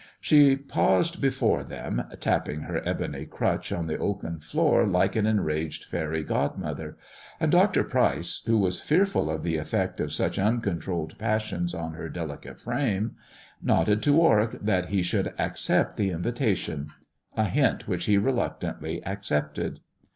She paused before them, tapping her ebony crutch on the oaken floor like an enraged faery godmother ; and Dr. Pryce, who was fearful of the effect of such uncontrolled passions on her delicate frame, nodded to Warwick that he should accept the invitation ; a hint which he reluctantly accepted.